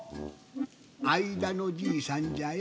あいだのじいさんじゃよ。